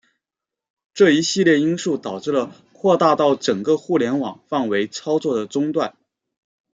这一系列因素导致了扩大到整个互联网范围操作的中断。